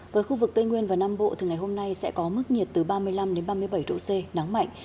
với khu vực tây nguyên và nam bộ thì ngày hôm nay sẽ có mức nhiệt từ ba mươi năm ba mươi bảy độ c nắng mạnh